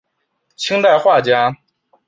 清代画家。